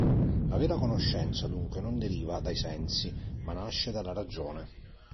La vera conoscenza dunque non deriva dai sensi, ma nasce dalla ragione.